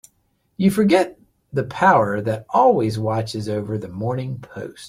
You forget the power that always watches over the Morning Post.